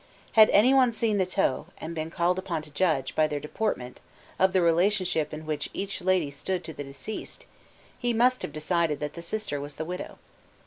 Had any one seen the tow, and been called upon to judge, by their deportment, of the relationship in which each lady stood to the deceased, he must have decided that the sister was the widow.